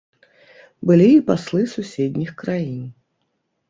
Былі і паслы суседніх краін.